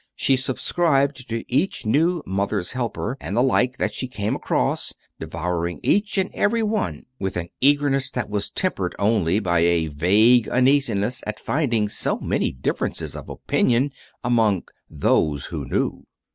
She subscribed to each new "Mothers' Helper," and the like, that she came across, devouring each and every one with an eagerness that was tempered only by a vague uneasiness at finding so many differences of opinion among Those Who Knew.